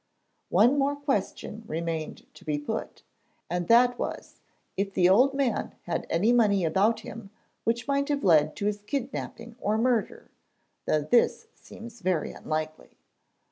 One more question remained to be put, and that was if the old man had any money about him which might have led to his kidnapping or murder, though this seems very unlikely.